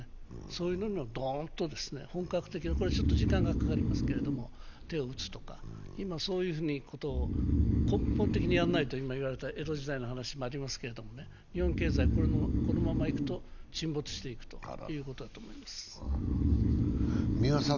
そういうのにドーンと本格的な、これはちょっと時間がかかりますけれども、手を打つとか今、そういうことを根本的にやらないと、今言われた江戸時代もありますけど、日本経済、このままいくと沈没していくということだと思います。